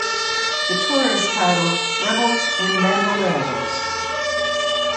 The tour is titled "Rebels and Bandoleros".